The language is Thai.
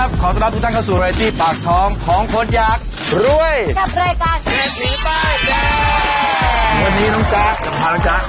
พี่เตรียมเสือแล้วก็เตรียมเต้น